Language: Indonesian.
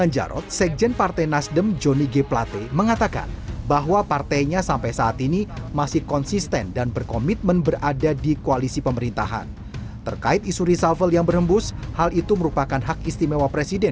jokowi dodo tidak menampik akan berlaku reshuffle